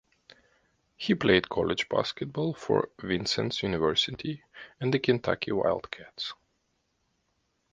He played college basketball for Vincennes University and the Kentucky Wildcats.